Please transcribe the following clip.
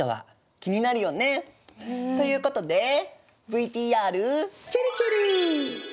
気になるよね？ということでＶＴＲちぇるちぇる。